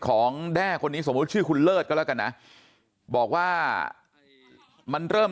แด้คนนี้สมมุติชื่อคุณเลิศก็แล้วกันนะบอกว่ามันเริ่ม